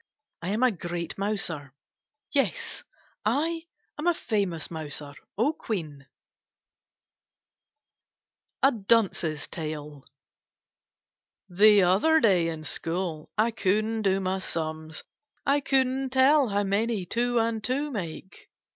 I am a great mouser. Yes, I am a famous mouser, O Queen! 36 KITTENS A2^D CATS A DUNCE'S TALE The other day in school I could n't do my sums. I could n't tell how many two and two make.